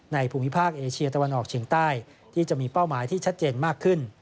ภูมิภาคเอเชียตะวันออกเฉียงใต้ที่จะมีเป้าหมายที่ชัดเจนมากขึ้น